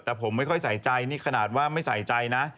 แต่ผมไม่ค่อยใส่ใจนี่ขนาดว่าไม่ใส่ใจนะ